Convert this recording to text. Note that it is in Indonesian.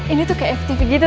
ini tuh kayak ftv gitu